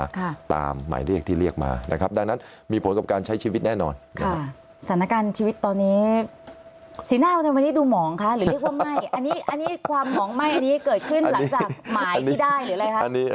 หนองไม่ก็นี่เกิดขึ้นหลังจากหมายที่ได้หรืออะไรคะ